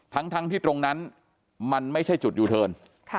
ทั้งที่ตรงนั้นมันไม่ใช่จุดยูเทิร์น